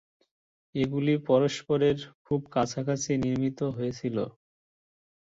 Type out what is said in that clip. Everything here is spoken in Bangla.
এগুলি পরস্পরের খুব কাছাকাছি নির্মিত হয়েছিল।